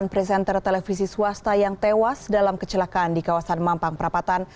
delapan presenter televisi swasta yang tewas dalam kecelakaan di kawasan mampang perapatan